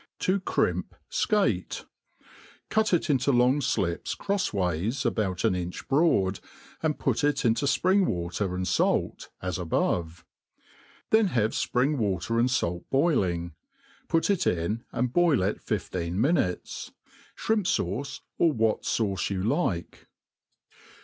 To Crimp Scate* CUT it into long flips crofs ways, about an inch broad, and put it into fpring water and fait, as above; then have fpring w^ter and fait boiling, put it in, and boil it^iifceea mi* nutes. Shrimp* fauce, or what fauce you like.